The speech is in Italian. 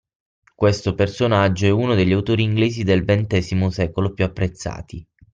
Questo personaggio è uno degli autori inglesi del XX secolo più apprezzati